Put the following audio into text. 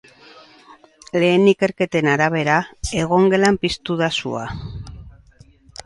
Lehen ikerketen arabera, egongelan piztu da sua.